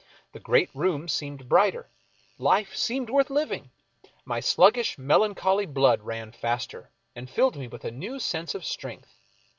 The great rooms seemed brighter, life seemed worth living ; my sluggish, melancholy blood ran faster, and filled me with a new sense of strength.